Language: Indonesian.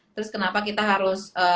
terus kenapa kita harus